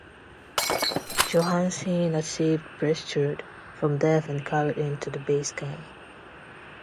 Johansen had saved Prestrud from death and carried him to the base camp.